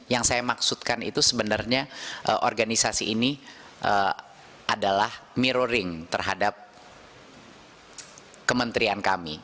yang saya maksudkan itu sebenarnya organisasi ini adalah mirroring terhadap kementerian kami